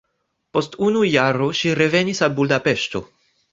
Post unu jaro ŝi revenis al Budapeŝto.